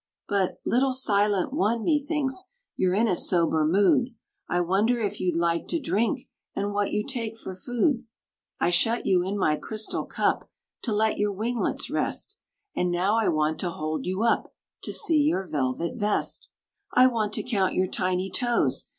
But, little silent one, methinks You're in a sober mood. I wonder if you'd like to drink, And what you take for food. I shut you in my crystal cup, To let your winglets rest. And now I want to hold you up, To see your velvet vest. I want to count your tiny toes.